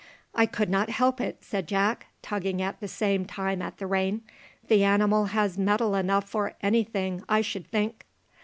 "I could not help it," said Jack, tugging at the same time at the rein. "The animal has mettle enough for any thing, I should think."